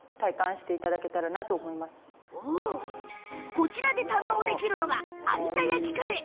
こちらで堪能できるのが有田焼カレー。